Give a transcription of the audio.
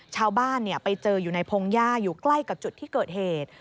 ชาวบ้านไปเจออยู่ในพงหญ้าอยู่ใกล้กับจุดที่เกิดเหตุ